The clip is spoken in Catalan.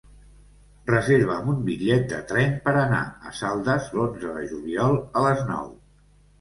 Reserva'm un bitllet de tren per anar a Saldes l'onze de juliol a les nou.